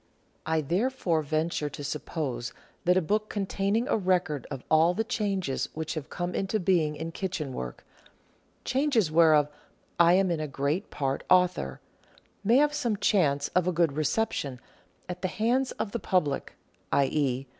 I therefore venture to suppose that a book containing a record of all the changes which have come into being in kitchen work — changes whereof I am in a great part author^may have some chance of a good reception at the hands of the public, i.e.